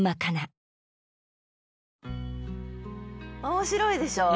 面白いでしょ？